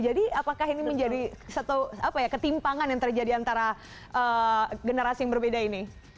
jadi apakah ini menjadi satu ketimpangan yang terjadi antara generasi yang berbeda ini